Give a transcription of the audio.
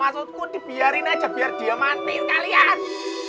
maksudku dibiarin aja biar dia matiin kalian